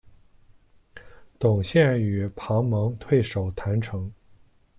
董宪与庞萌退守郯城。